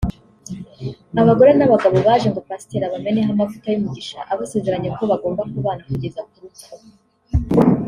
abagore n’abagabo baje ngo Pasiteri abameneho amavuta y’umugisha abasezeranya ko bagomba kubana kugeza ku rupfu